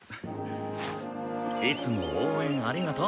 いつも応援ありがとう。